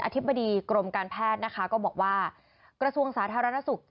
ธิบดีกรมการแพทย์นะคะก็บอกว่ากระทรวงสาธารณสุข